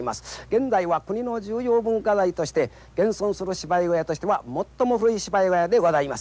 現在は国の重要文化財として現存する芝居小屋としては最も古い芝居小屋でございます。